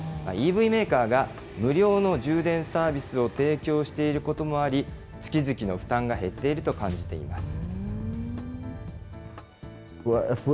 ＥＶメーカーが、無料の充電サービスを提供していることもあり、月々の負担が減っていると感じています。